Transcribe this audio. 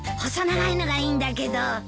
細長いのがいいんだけど。